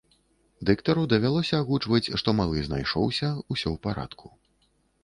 Дыктару давялося агучваць, што малы знайшоўся ўсё ў парадку.